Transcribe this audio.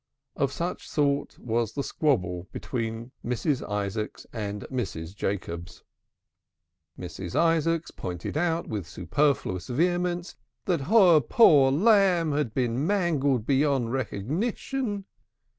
Of such sort was the squabble betwixt Mrs. Isaacs and Mrs. Jacobs. Mrs. Isaacs pointed out with superfluous vehemence that her poor lamb had been mangled beyond recognition.